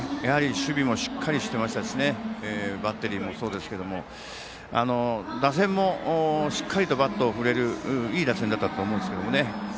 守備もしっかりしてましたしバッテリーもそうですけど打線もしっかりとバットを振れるいい打線だったと思います。